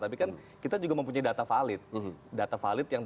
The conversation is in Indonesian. tapi kan kita juga mempunyai data valid